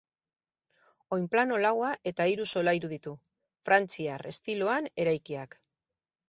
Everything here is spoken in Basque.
Oinplano laua eta hiru solairu ditu, frantziar estiloan eraikiak.